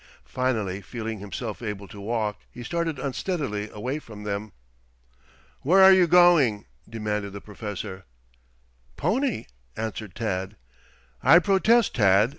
Finally feeling himself able to walk he started unsteadily away from them. "Where are you going?" demanded the Professor. "Pony," answered Tad. "I protest, Tad.